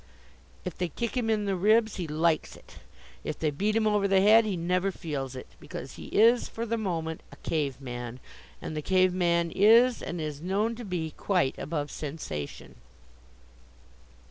If they kick him in the ribs, he likes it. If they beat him over the head, he never feels it; because he is, for the moment, a cave man. And the cave man is, and is known to be, quite above sensation.